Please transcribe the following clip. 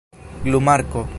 glumarko